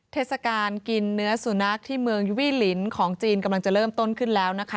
เทศกาลกินเนื้อสุนัขที่เมืองยูวี่ลินของจีนกำลังจะเริ่มต้นขึ้นแล้วนะคะ